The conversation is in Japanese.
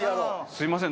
すみません